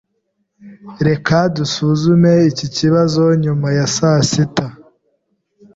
Reka dusuzume iki kibazo nyuma ya sasita.